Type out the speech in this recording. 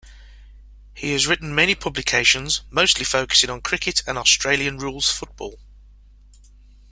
He has written many publications, mostly focusing on cricket and Australian rules football.